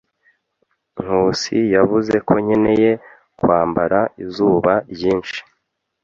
Nkusi yavuze ko nkeneye kwambara izuba ryinshi.